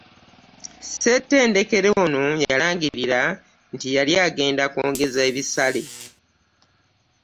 Ssettendekero ono yalangirira nylti yali agenda kwongeza ebisale